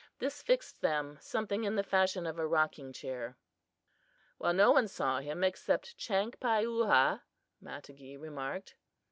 This fixed them something in the fashion of a rocking chair. "Well, no one saw him except Chankpayuhah," Matogee remarked.